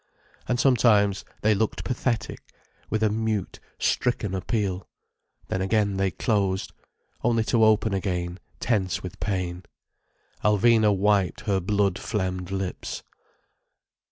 And sometimes they looked pathetic, with a mute, stricken appeal. Then again they closed—only to open again tense with pain. Alvina wiped her blood phlegmed lips.